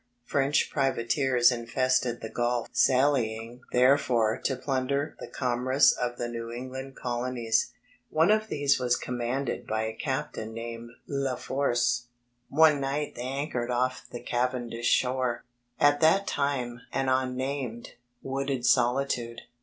French privateers infested the Gulf sallying therefrom to plunder the com merce of the New England Colonies. One of these was commanded by a captain named Leforce. One night they anchored off the Cavendish shore, at that time an unnamed, wooded solitude.